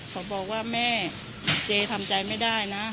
เขาบอกว่าแม่เจทำใจไม่ได้นะ